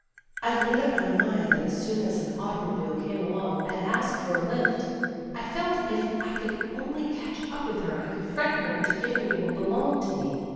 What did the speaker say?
I'd made up my mind that as soon as an automobile came along, I'd ask for a lift. I felt if I could only catch up with her I could frighten her into giving me what belonged to me.